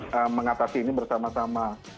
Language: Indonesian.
kita mengatasi ini bersama sama